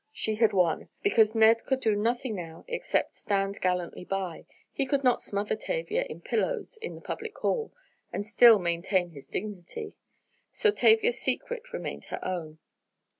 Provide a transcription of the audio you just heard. She had won, because Ned could do nothing now except stand gallantly by—he could not smother Tavia in pillows in the public hall, and still maintain his dignity—so Tavia's secret remained her own.